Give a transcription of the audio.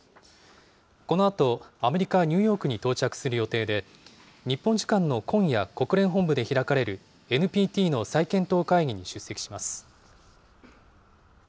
このあと、アメリカ・ニューヨークに到着する予定で、日本時間の今夜、国連本部で開かれるＮＰＴの再検討会議に出席します。